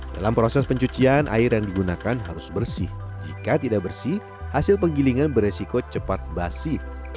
dalam proses pencucian air yang digunakan harus bersih jika tidak bersih hasil penggilingan beresiko cepat basi